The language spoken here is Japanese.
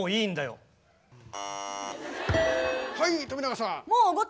はい富永さん。